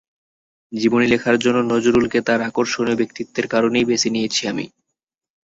জীবনী লেখার জন্য নজরুলকে তাঁর আকর্ষণীয় ব্যক্তিত্বের কারণেই বেছে নিয়েছি আমি।